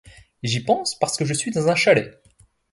J’y pense parce que je suis dans un chalet.